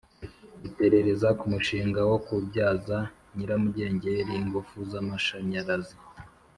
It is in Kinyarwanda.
Iperereza ku mushinga wo kubyaza nyiramugengeri ingufu z’ amashanyarazi